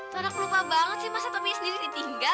tanak lupa banget sih masa topinya sendiri ditinggal